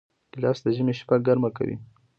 ګیلاس د ژمي شپه ګرمه کوي.